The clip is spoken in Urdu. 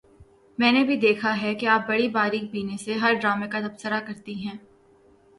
میں نے بھی دیکھا ہے کہ آپ بڑی باریک بینی سے ہر ڈرامے کا تبصرہ کرتی ہیں